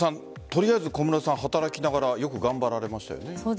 とりあえず小室さんは働きながらよく頑張られましたよね。